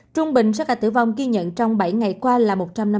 trung bệnh sau cả tử vong ghi nhận trong bảy ngày qua là một trăm năm mươi chín